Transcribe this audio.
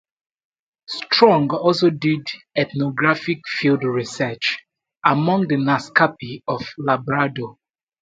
Strong also did ethnographic field research among the Naskapi of Labrador.